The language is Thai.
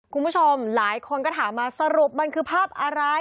คุณผู้ชมหลายคนก็ถามมาสรุปมันคือภาพอะไร